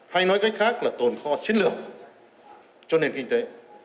hay nói cách khác là tồn kho chiến lược cho nền kinh tế